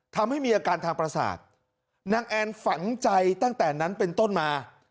ทำให้มีอาการทางประสาทนางแอนฝังใจตั้งแต่นั้นเป็นต้นมา